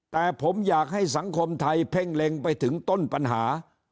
แต่ผมอยากให้สังคมไทยเพ่งเล็งไปถึงต้นปัญหา